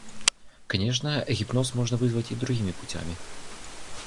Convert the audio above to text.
Конечно, гипноз можно вызвать и другими путями.